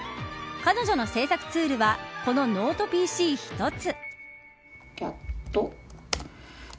彼女の制作ツールはこのノートＰＣ１つ。